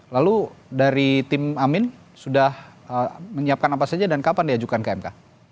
lalu dari tim amin sudah menyiapkan apa saja dan kapan diajukan ke mk